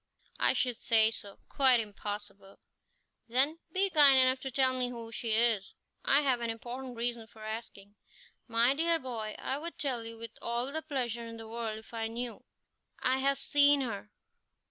"I should say so quite impossible." "Then, be kind enough to tell me who she is. I have an important reason for asking." "My dear boy, I would tell you with all the pleasure in the world if I knew." "I have seen her."